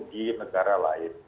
di negara lain